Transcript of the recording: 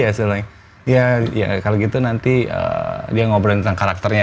i said like ya kalau gitu nanti dia ngobrolin tentang karakternya